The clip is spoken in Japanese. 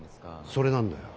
それなんだよ。